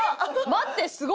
待ってすごい！